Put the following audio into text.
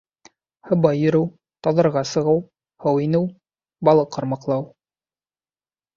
Һыбай йөрөү, тауҙарға сығыу, һыу инеү, балыҡ ҡармаҡлау...